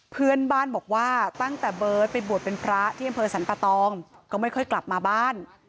เพื่อนบ้านบอกว่าตั้งแต่เบิร์ตไปบวชเป็นพระที่อำเภอสรรปะตองก็ไม่ค่อยกลับมาบ้าน